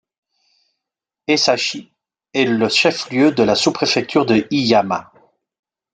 Esashi est le chef-lieu de la sous-préfecture de Hiyama.